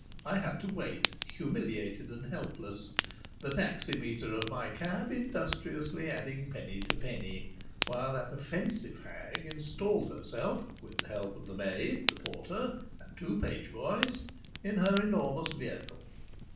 I had to wait, humiliated and helpless, the taximeter of my cab industriously adding penny to penny, while that offensive hag installed herself, with the help of the maid, the porter and two page boys, in her enormous vehicle.